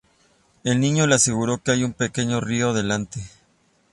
El niño le asegura que hay un pequeño río delante.